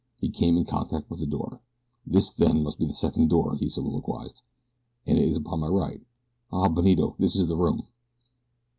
He came in contact with a door. "This, then, must be the second door," he soliloquized, "and it is upon my right. Ah, Benito, this is the room!"